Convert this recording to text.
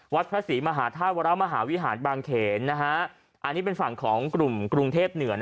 วัดพระศรีมหาธาตุวรมหาวิหารบางเขนอันนี้เป็นฝั่งของกลุ่มกรุงเทพเหนือ